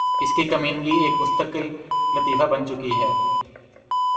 اس کی کمینگی ایک مستقل لطیفہ بن چکی ہے